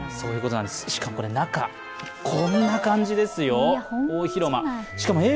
しかも、これ、中、こんな感じですよ、大広間。